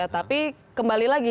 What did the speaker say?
tapi kembali lagi